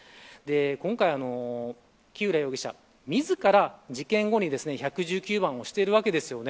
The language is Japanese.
今回、木浦容疑者自ら事件後に１１９番をしているわけです。